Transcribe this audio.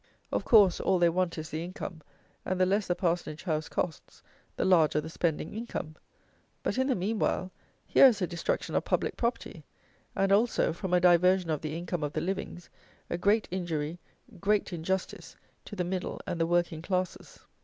Of course, all they want is the income, and, the less the parsonage house costs, the larger the spending income. But, in the meanwhile, here is a destruction of public property; and also, from a diversion of the income of the livings, a great injury, great injustice, to the middle and the working classes.